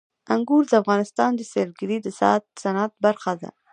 انګور د افغانستان د سیلګرۍ د صنعت برخه ده.